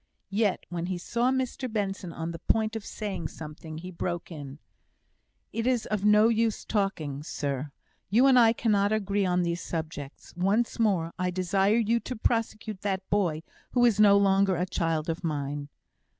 Yet when he saw Mr Benson on the point of saying something, he broke in: "It is no use talking, sir. You and I cannot agree on these subjects. Once more, I desire you to prosecute that boy, who is no longer a child of mine."